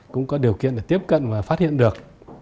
cũng có điều kiện để tiếp cận và phát hiện được